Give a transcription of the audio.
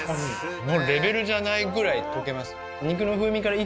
のレベルじゃないぐらい溶けます。